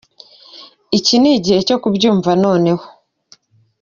Iki ni gihe cyo kubyumva noneho.